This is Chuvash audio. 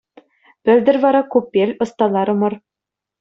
Пӗлтӗр вара купель ӑсталарӑмӑр.